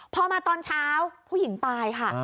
พอมาตอนเช้าผู้หญิงตายค่ะ